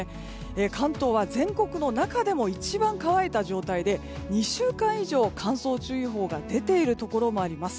関東は全国の中でも一番乾いた状態で２週間以上、乾燥注意報が出ているところもあります。